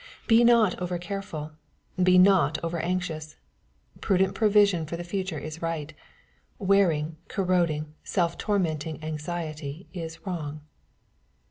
Be not over carefuL Be not over anxious. Prudent provision for the future is right. Wearing, corroding, self tormenting anxiety is wrong.